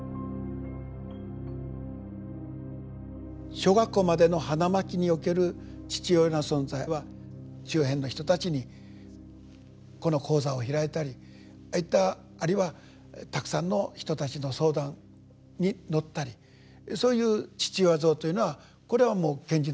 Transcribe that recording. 小学校までの花巻における父親の存在は周辺の人たちにこの講座を開いたりああいったあるいはたくさんの人たちの相談に乗ったりそういう父親像というのはこれはもう賢治のひとつの理想であったと。